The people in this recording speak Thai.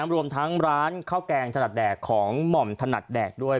รวมทั้งร้านข้าวแกงถนัดแดกของหม่อมถนัดแดกด้วย